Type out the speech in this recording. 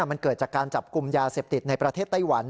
มันเกิดจากการจับกลุ่มยาเสพติดในประเทศไต้หวัน